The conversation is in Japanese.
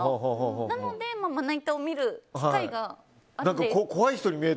なのでまな板を見る機会があって。